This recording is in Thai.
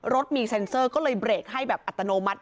รถมีเซ็นเซอร์ก็เลยเบรกให้แบบอัตโนมัติ